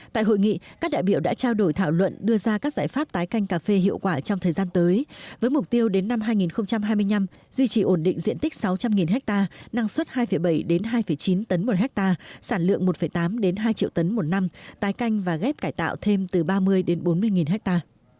tại hội nghị các đại biểu đã trao đổi thảo luận đưa ra các giải pháp tái canh cà phê hiệu quả trong thời gian tới với mục tiêu đến năm hai nghìn hai mươi năm duy trì ổn định diện tích sáu trăm linh ha năng suất hai bảy hai chín tấn một hectare sản lượng một tám hai triệu tấn một năm tái canh và ghép cải tạo thêm từ ba mươi đến bốn mươi ha